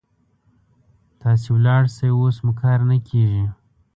تاسې ولاړ شئ، اوس مو کار نه کيږي.